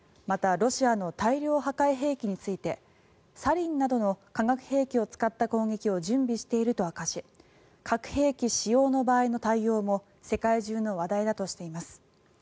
またロシアの大量破壊兵器についてサリンなどの化学兵器を使った攻撃を準備していると明かし核兵器使用の場合の対応も世界中の話題だとしています。